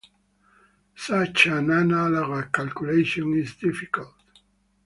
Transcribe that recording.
Such an analog calculation is difficult.